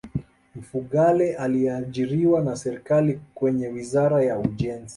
mfugale aliajiriwa na serikali kwenye wizara ya ujenzi